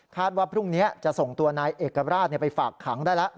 ว่าพรุ่งนี้จะส่งตัวนายเอกราชไปฝากขังได้แล้ว